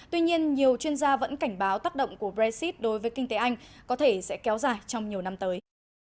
tuy nhiên nhiều chuyên gia vẫn cảnh báo tác động của brexit đối với kinh tế anh có thể sẽ kéo dài trong nhiều năm tới